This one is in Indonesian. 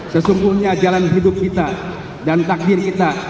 sesungguhnya jalan hidup kita dan takdir kita